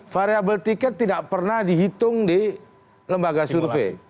variable ticket tidak pernah dihitung di lembaga survei